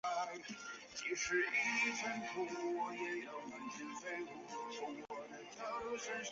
只要好好活着就够了